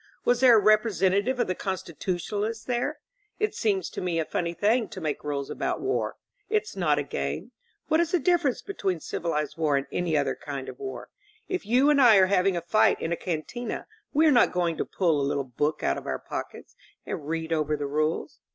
Was there a representative of the Constitutionalists there? It seems to me a funny thing 142 THE RULES OF WAR to make rules about war. It's liot a game. What is the difference between civilized war and any other kind of war? If you and I are having a fight in a cantma we are not going to pull a little book out of our pockets and read over the rules.